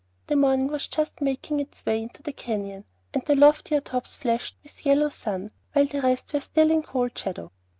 The morning was just making its way into the canyon; and the loftier tops flashed with yellow sun, while the rest were still in cold shadow.